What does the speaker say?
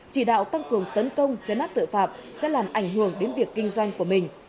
chỉ đạo tăng cường tấn công chấn áp tội phạm sẽ làm ảnh hưởng đến việc kinh doanh của mình